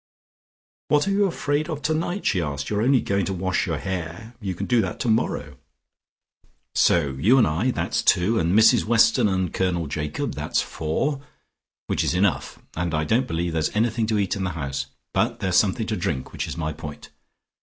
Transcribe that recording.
"What are you afraid of tonight?" she asked. "You're only going to wash your hair. You can do that tomorrow. So you and I, that's two, and Mrs Weston and Colonel Jacob, that's four, which is enough, and I don't believe there's anything to eat in the house. But there's something to drink, which is my point.